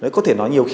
có thể nói nhiều khi